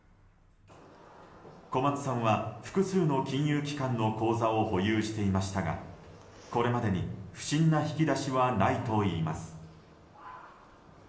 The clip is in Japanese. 小松さんは複数の金融機関の口座を保有していましたがこれまでに不審な引き出しはないといいます。